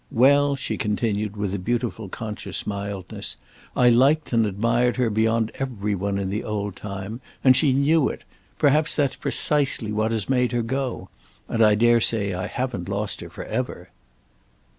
Well," she continued with a beautiful conscious mildness, "I liked and admired her beyond every one in the old time, and she knew it—perhaps that's precisely what has made her go—and I dare say I haven't lost her for ever."